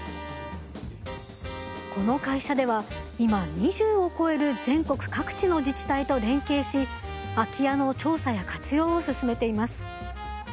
この会社では今２０を超える全国各地の自治体と連携し空き家の調査や活用を進めています。